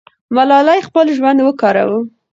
ملالۍ خپل ژوند ورکاوه.